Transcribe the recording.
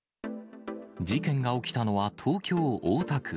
事件が起きたのは東京・大田区。